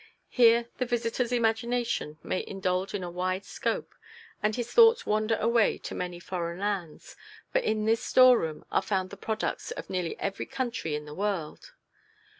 Here the visitor's imagination may indulge in a wide scope, and his thoughts wander away to many foreign lands, for in this store room are found the products of nearly every country in the world.